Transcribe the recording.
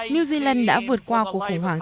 new zealand đã vượt qua cuộc khủng hoảng